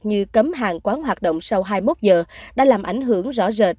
như cấm hàng quán hoạt động sau hai mươi một giờ đã làm ảnh hưởng rõ rệt